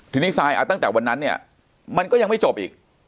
ทีนี้ซายตั้งแต่วันนั้นเนี่ยมันก็ยังไม่จบอีก